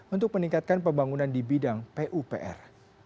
untuk meningkatkan pembangunan di bidang pupr